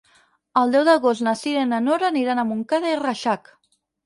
El deu d'agost na Cira i na Nora aniran a Montcada i Reixac.